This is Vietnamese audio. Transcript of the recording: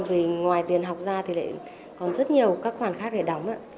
vì ngoài tiền học ra thì lại còn rất nhiều các khoản khác để đóng